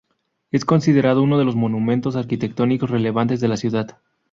Es considerado uno de los monumentos arquitectónicos relevantes de la ciudad.